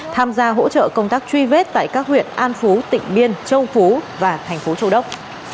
tham gia hỗ trợ công tác truy vết tại các huyện an phú tỉnh biên châu phú và thành phố châu đốc